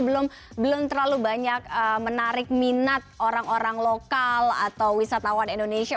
belum terlalu banyak menarik minat orang orang lokal atau wisatawan indonesia